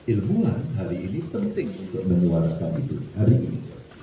ilmuwan hari ini penting untuk menyuarakan itu hari ini